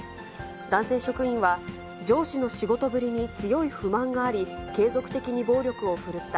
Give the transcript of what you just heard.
男性職員は、上司の仕事ぶりに強い不満があり、継続的に暴力を振るった。